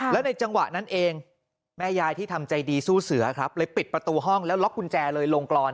แล้วในจังหวะนั้นเองแม่ยายที่ทำใจดีสู้เสือครับเลยปิดประตูห้องแล้วล็อกกุญแจเลยลงกรอน